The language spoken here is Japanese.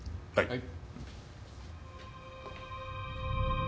はい。